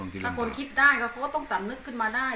ถ้าคนคิดได้เขาก็ต้องสำนึกขึ้นมาได้